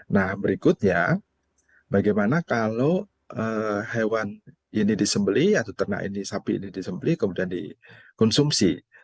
nah berikutnya bagaimana kalau hewan ini disembeli atau ternak ini sapi ini disembeli kemudian dikonsumsi